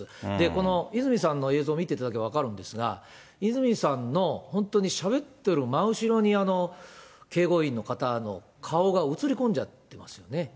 この泉さんの映像を見ていただくと分かるんですが、泉さんの本当にしゃべってる真後ろに警護員の方の顔が映り込んじゃってますよね。